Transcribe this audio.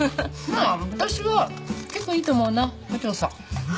私は結構いいと思うな課長さん。